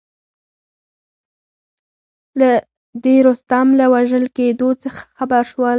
د رستم له وژل کېدلو څخه خبر شول.